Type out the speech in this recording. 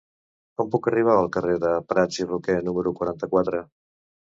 Com puc arribar al carrer de Prats i Roquer número quaranta-quatre?